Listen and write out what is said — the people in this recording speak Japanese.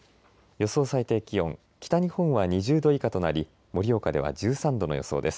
予想最低気温北日本は２０度以下となり盛岡では１３度の予想です。